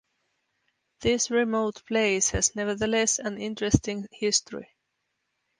This remote place has nevertheless an interesting history.